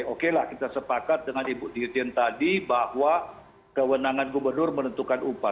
oke lah kita sepakat dengan ibu dirjen tadi bahwa kewenangan gubernur menentukan upah